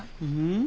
ん？